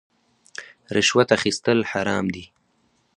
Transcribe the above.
رشوت اخیستل حرام دي